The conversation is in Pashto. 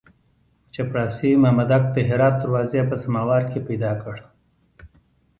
چپړاسي مامدک د هرات دروازې په سماوار کې پیدا کړ.